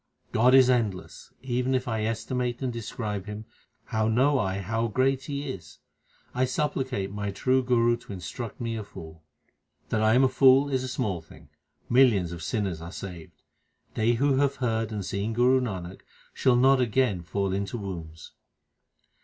God is endless ; even if I estimate and describe Him, how know I how great He is ? I supplicate my true Guru to instruct me a fool. That I am a fool is a small thing ; millions of sinners are saved. They who have heard and seen Guru Nanak shall not again fall into wombs.